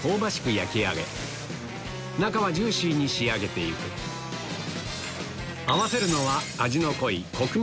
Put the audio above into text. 焼き上げ中はジューシーに仕上げていく合わせるのは味の濃いこくみ